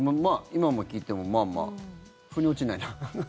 今の聞いてもまあまあ腑に落ちない？